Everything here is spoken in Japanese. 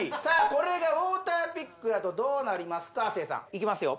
これがウォーターピックやとどうなりますか亜生さんいきますよ